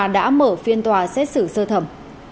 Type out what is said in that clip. đã mở phiên tòa xét xử sơ thẩm